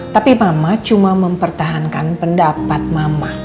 tapi mama cuma mempertahankan pendapat mama